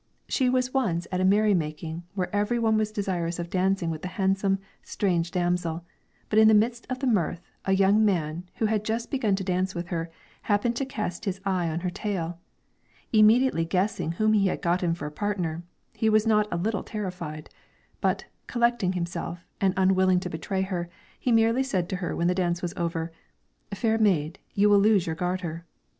She was once at a merry making, where every one was desirous of dancing with the handsome, strange damsel; but in the midst of the mirth a young man, who had just begun a dance with her, happened to cast his eye on her tail. Immediately guessing whom he had gotten for a partner, he was not a little terrified; but, collecting himself, and unwilling to betray her, he merely said to her when the dance was over: "Fair maid, you will lose your garter."